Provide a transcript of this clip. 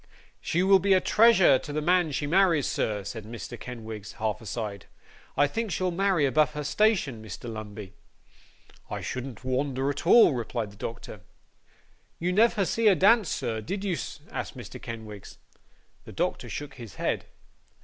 'She will be a treasure to the man she marries, sir,' said Mr. Kenwigs, half aside; 'I think she'll marry above her station, Mr. Lumbey.' 'I shouldn't wonder at all,' replied the doctor. 'You never see her dance, sir, did you?' asked Mr. Kenwigs. The doctor shook his head.